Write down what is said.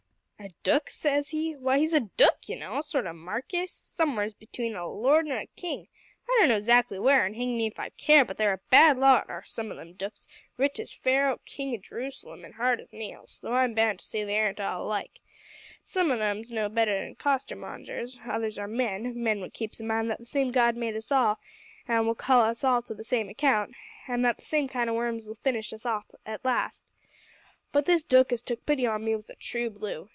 "`A dook?' says he. `Why, he's a dook, you know; a sort o' markis somewheres between a lord an' a king. I don't know zackly where, an hang me if I care; but they're a bad lot are some o' them dooks rich as Pharaoh, king o' J'rus'lem, an' hard as nails though I'm bound for to say they ain't all alike. Some on 'em's no better nor costermongers, others are men; men what keeps in mind that the same God made us all an' will call us all to the same account, an' that the same kind o' worms 'll finish us all off at last. But this dook as took pity on me was a true blue.